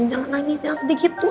jangan nangis jangan sedih gitu ah